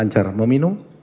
ini adalah boba